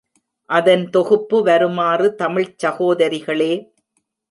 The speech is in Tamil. அதன் தொகுப்பு வருமாறு தமிழ்ச் சகோதரிகளே!